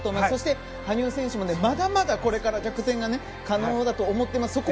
そして、羽生選手もまだまだこれから逆転が可能だと思います。